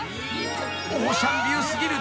［オーシャンビュー過ぎる］